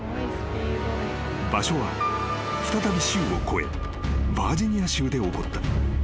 ［場所は再び州を越えバージニア州で起こった］